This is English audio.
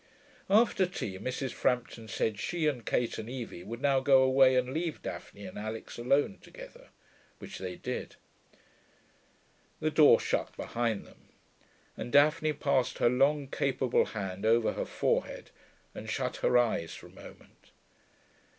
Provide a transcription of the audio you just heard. After tea, Mrs. Frampton said she and Kate and Evie would now go away and leave Daphne and Alix alone together, which they did. The door shut behind them, and Daphne passed her long, capable hand over her forehead and shut her eyes for a moment.